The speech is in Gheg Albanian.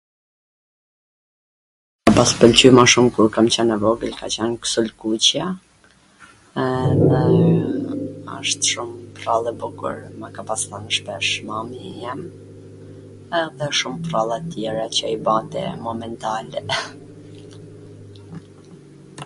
[prralla] q m ka pas pwlqy ma shum kur kam qwn e vogwl ka qwn Ksulkuqja, edhe asht shum prrall e bukur, ma ka pas thwn shpesh mami i jem, edhe shum prralla tjera qw i bante momentale, wh